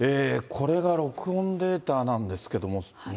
これが録音データなんですけどもね。